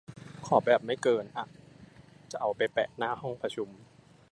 ขอแบบไม่เกิน อะ จะเอาไปแปะหน้าห้องประชุม